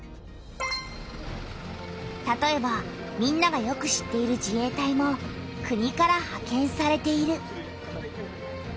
たとえばみんながよく知っている自衛隊も国からはけんされている。